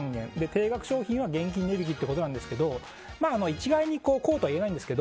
低額商品は現金値引きということですが一概にこうとは言えないんですが